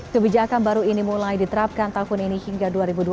kebijakan baru ini mulai diterapkan tahun ini hingga dua ribu dua puluh